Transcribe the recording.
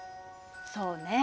そうね。